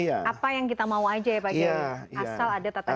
apa yang kita mau aja ya pak yai